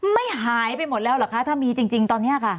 ไม่หายไปหมดแล้วเหรอคะถ้ามีจริงตอนนี้ค่ะ